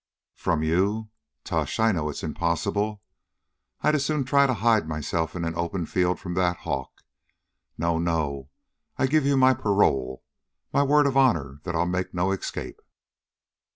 "From you? Tush! I know it is impossible. I'd as soon try to hide myself in an open field from that hawk. No, no! I'll give you my parole, my word of honor that I'll make no escape."